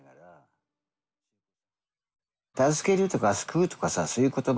助けるとか救うとかさそういう言葉